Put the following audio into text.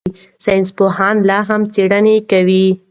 ساینسپوهان لا هم څېړنه کوي.